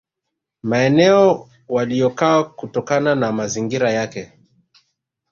Maeneo waliyokaa kutokana na mazingira yake